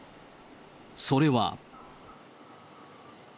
それは。